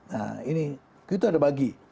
nah ini itu ada bagi